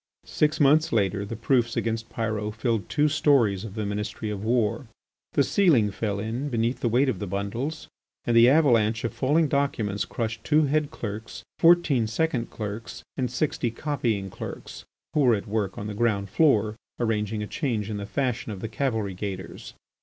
Six months later the proofs against Pyrot filled two storeys of the Ministry of War. The ceiling fell in beneath the weight of the bundles, and the avalanche of falling documents crushed two head clerks, fourteen second clerks, and sixty copying clerks, who were at work upon the ground floor arranging a change in the fashion of the cavalry gaiters.